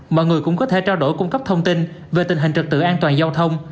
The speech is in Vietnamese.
mọi người cũng có thể trao đổi cung cấp thông tin về tình hình trực tự an toàn giao thông